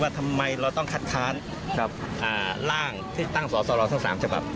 ทำไมเราต้องคัดค้านกับร่างที่ตั้งสอสรทั้ง๓ฉบับ